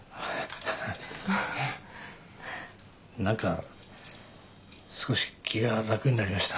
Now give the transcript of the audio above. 何か少し気が楽になりました。